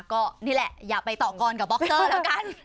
ก็นี่แหละอย่าไปต่อกรกับบล็อกเตอร์แล้วกัน